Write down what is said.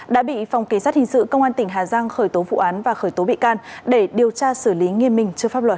đã bị phòng kỳ sát hình sự công an tỉnh hà giang khởi tố vụ án và khởi tố bị can để điều tra xử lý nghiêm minh trước pháp luật